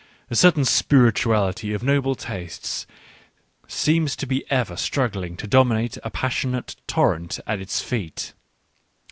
A certain spirituality, of noble taste, seems to be ever struggling to dominate a passionate torrent at its feet.